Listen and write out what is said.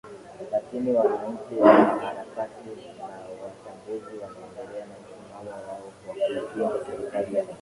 lakini wananchi wanaharakati na wachambuzi wanaendelea na msimamo wao wa kuipinga serikali ya mpito